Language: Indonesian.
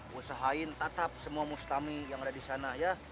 usahain tatap semua mustami yang ada di sana ya